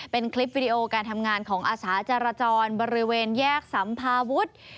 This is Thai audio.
เป็นคลิปวิดีโอการทำงานของอาสาจรจรบริเวณแยกสัมภาวุฒิ